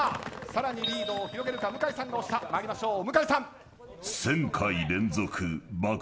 さらにリードを広げるか向井さん、まいりましょう。